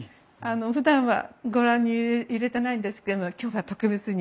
ふだんはご覧に入れてないんですけれども今日は特別に。